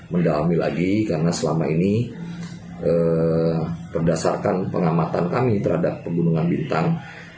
mendalami lagi karena selama ini berdasarkan pengamatan kami terhadap pegunungan bintang